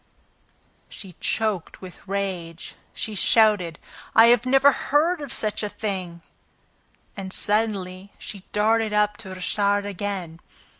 She choked with rage. She shouted: "I never heard of such a thing!" And, suddenly, she darted up to Richard again.